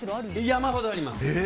山ほどあります。